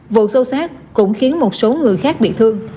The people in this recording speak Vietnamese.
vụ sâu sát cũng khiến một số người khác bị thương